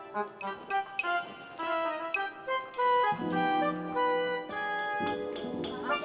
penggu dan akses